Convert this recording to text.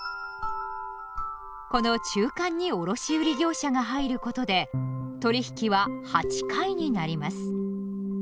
この中間に卸売業者が入ることで取引は８回になります。